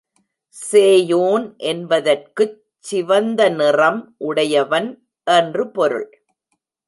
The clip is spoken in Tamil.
சேயோன் என்பதற்குச் சிவந்த நிறம் உடையவன் என்று பொருள்.